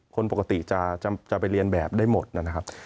คนปกติจะไปเรียนแบบได้หมดนะครับ